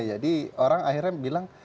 jadi orang akhirnya bilang